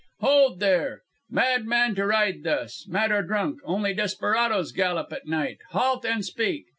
"Hold, there! Madman to ride thus. Mad or drunk. Only desperadoes gallop at night. Halt and speak!"